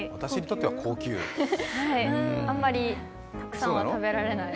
あんまりたくさんは食べられない。